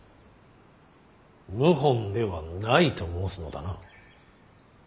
謀反ではないと申すのだな。